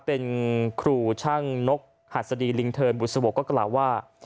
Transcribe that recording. เป็นครูช่างนกหัสดีลิงเทินบุษบกก็กล่าวว่า